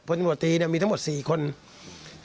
พลตีมีทั้งหมด๔คนนะครับ